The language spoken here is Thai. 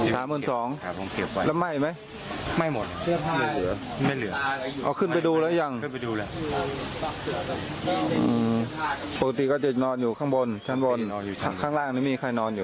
ปกติก็จะนอนอยู่ข้างบนชั้นบนข้างล่างไม่มีใครนอนอยู่